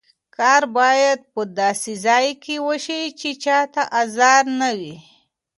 ښکار باید په داسې ځای کې وشي چې چا ته ازار نه وي.